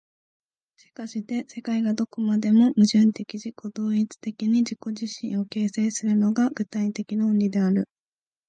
しかして世界がどこまでも矛盾的自己同一的に自己自身を形成するのが、具体的論理である。